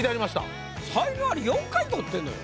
才能アリ４回取ってんのよ。